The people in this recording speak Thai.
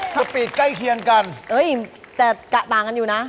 สปีดใกล้เคียงกันเอ้ยแต่กะต่างกันอยู่นะ